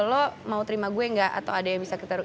it's either lo mau terima gue gak atau ada yang bisa kita taruh